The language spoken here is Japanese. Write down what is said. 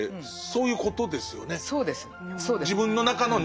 そういうことです。